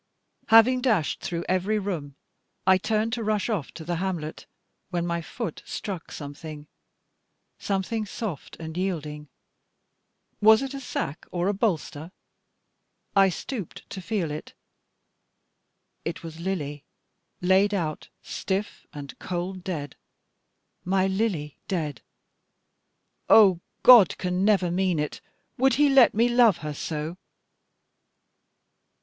Having dashed through every room, I turned to rush off to the hamlet, when my foot struck something something soft and yielding; was it a sack or bolster? I stooped to feel it; it was Lily, laid out, stiff and cold Dead, my Lily dead! Oh, God can never mean it; would He let me love her so?